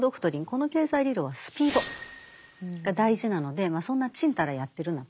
この経済理論はスピードが大事なのでそんなちんたらやってるなと。